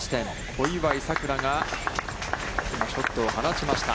小祝さくらが、今ショットを放ちました。